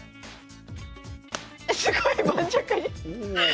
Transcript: えすごい盤石に！